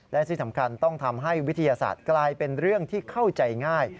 และที่สำคัญต้องทำให้วิทยาศาสตร์กลายเป็นเรื่องที่เข้าใจง่าย